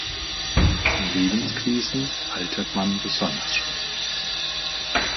In Lebenskrisen altert man besonders schnell.